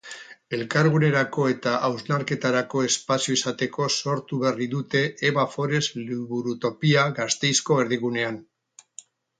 Elkargunerako eta hausnarketarako espazio izateko sortu berri dute Eva Forest liburutopia Gasteizko erdigunean.